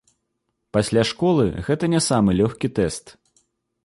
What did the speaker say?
Пасля школы гэта не самы лёгкі тэст.